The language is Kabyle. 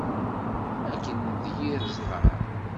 Akken d yir zzheṛ!